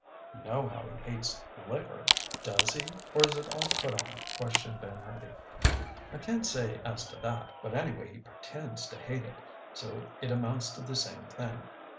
"You know how he hates liquor?" "Does he, or is it all put on?" questioned Ben Hurdy. "I can't say as to that, but anyway he pretends to hate it, so it amounts to the same thing.